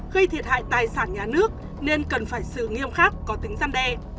gây thiệt hại tài sản nhà nước nên cần phải xử nghiêm khắc có tính gian đe